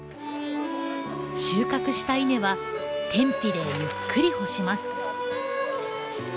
収穫した稲は天日でゆっくり干します。